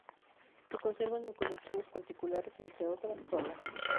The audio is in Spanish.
Se conservan en colecciones particulares, entre otras, “"¡Sola!